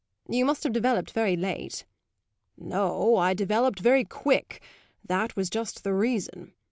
"You must have developed very late." "No, I developed very quick; that was just the reason.